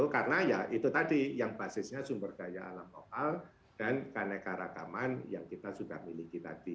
karena ya itu tadi yang basisnya sumber daya alam lokal dan koneka ragaman yang kita sudah miliki tadi